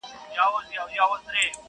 انساني ارزښتونه کمزوري کيږي ډېر,